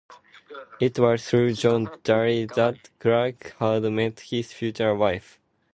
It was through John Daly that Clarke had met his future wife.